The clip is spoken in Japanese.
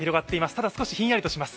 ただ、少しひんやりとします。